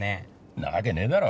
んなわけねえだろ。